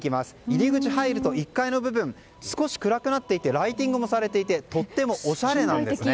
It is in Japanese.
入り口に入ると１階、少し暗くなっていてライティングもされていてとてもおしゃれなんです。